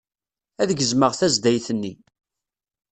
Ad gezmeɣ tazdayt-nni.